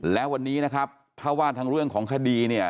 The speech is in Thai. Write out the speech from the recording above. และวันนี้นะครับถ้าว่าทางเรื่องของคดีเนี่ย